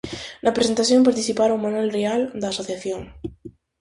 Na presentación participaron Manuel Rial, da asociación.